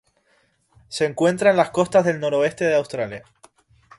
Se encuentra en las costas del noroeste de Australia.